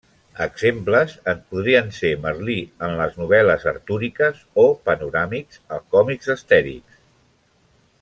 Exemples en podrien ser Merlí en les novel·les artúriques o Panoràmix als còmics d'Astèrix.